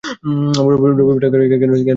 রবিবারটা কেন সে এমন বৃথা কাটিতে দিল।